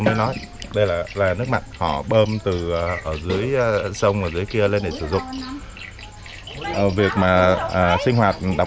mới nói đây là là nước mặn họ bơm từ ở dưới sông ở dưới kia lên để sử dụng việc mà sinh hoạt đặc